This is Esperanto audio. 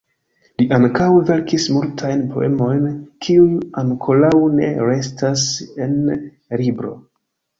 Li ankaŭ verkis multajn poemojn kiuj ankoraŭ ne restas en libro.